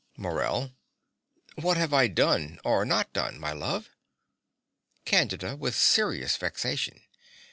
MORELL. What have I done or not done my love? CANDIDA (with serious vexation).